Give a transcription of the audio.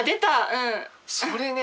うん。それね。